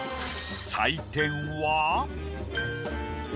採点は。